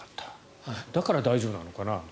だから大丈夫なのかな。